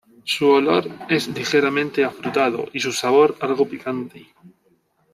Su olor es ligeramente afrutado y su sabor algo picante.